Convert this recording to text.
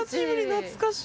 懐かしい。